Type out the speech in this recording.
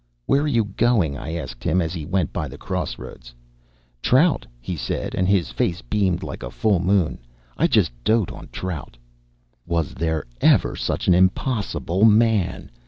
"Where are you going?" I asked him, as he went by the cross roads. "Trout," he said, and his face beamed like a full moon. "I just dote on trout." Was there ever such an impossible man!